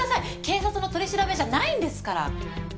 警察の取り調べじゃないんですから。